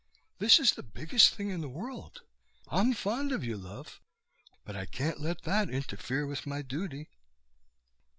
"This is the biggest thing in the world. I'm fond of you, love, but I can't let that interfere with my duty."